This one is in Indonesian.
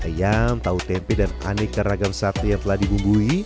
ayam tahu tempe dan aneka ragam sate yang telah dibumbui